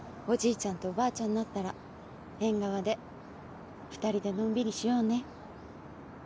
ちゃんとおばあちゃんになったら縁側で２人でのんびりしようね。